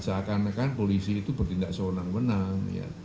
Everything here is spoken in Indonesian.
seakan akan polisi itu bertindak seonang onang